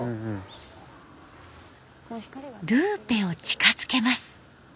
ルーペを近づけます。